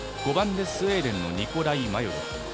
５番、スウェーデンのニコライ・マヨロフ。